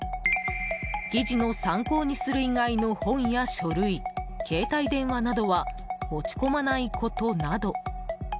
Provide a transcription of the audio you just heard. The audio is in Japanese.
議事の参考にする以外の本や書類、携帯電話などは持ち込まないことなど。